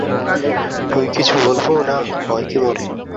মুই কিছু বলবো না, ভয় কি মোরে?